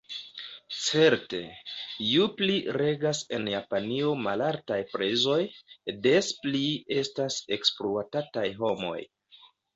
Certe: ju pli regas en Japanio malaltaj prezoj, des pli estas ekspluatataj homoj.